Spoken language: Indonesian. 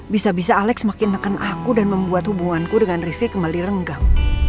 bisa bisa alex makin neken aku dan membuat hubunganku dengan rizky kembali renggang